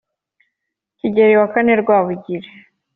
kigeli wa kane rwabugili